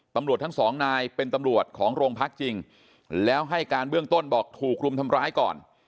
ตำรวจทั้งสองนายเป็นตำรวจของโรงพักจริงแล้วให้การเบื้องต้นบอกถูกรุมทำร้ายก่อน